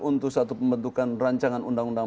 untuk satu pembentukan rancangan undang undang